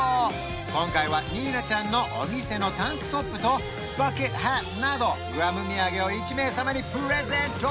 今回はニーナちゃんのお店のタンクトップとバケットハットなどグアム土産を１名様にプレゼント！